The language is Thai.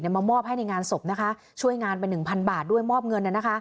มามอบให้ในงานศพนะคะช่วยงานไปหนึ่งพันบาทด้วยมอบเงิน